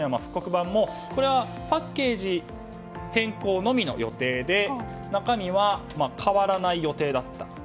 版もパッケージ変更のみの予定で中身は変わらない予定だったと。